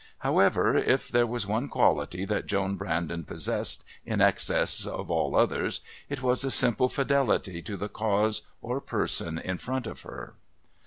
However, if there was one quality that Joan Brandon possessed in excess of all others, it was a simple fidelity to the cause or person in front of her.